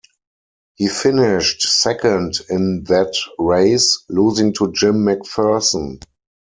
He finished second in that race, losing to Jim McPherson.